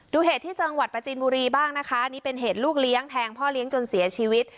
เหตุที่จังหวัดประจีนบุรีบ้างนะคะอันนี้เป็นเหตุลูกเลี้ยงแทงพ่อเลี้ยงจนเสียชีวิต